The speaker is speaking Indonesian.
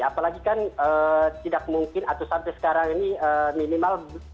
apalagi kan tidak mungkin atau sampai sekarang ini minimal